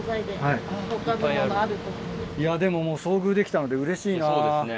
いやでももう遭遇できたのでうれしいな。